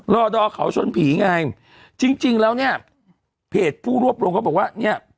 ล่อดอเขาชนผีไงจริงแล้วเนี่ย